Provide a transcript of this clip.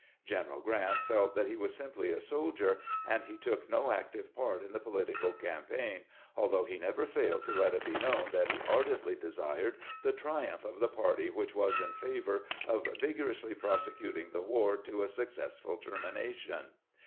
General Grant felt that he was simply a soldier, and he took no active part in the political campaign, although he never failed to let it be known that he ardently desired the triumph of the party which was in favor of vigorously prosecuting the war to a suc cessful termination.